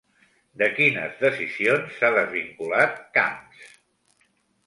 De quines decisions s'ha desvinculat Camps?